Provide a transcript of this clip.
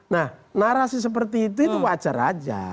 nah narasi seperti itu wajar saja